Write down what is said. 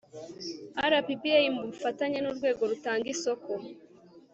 RPPA mu bufatanye n urwego rutanga isoko